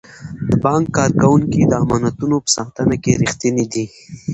د بانک کارکوونکي د امانتونو په ساتنه کې ریښتیني دي.